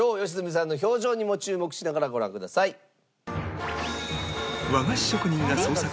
良純さんの表情にも注目しながらご覧ください。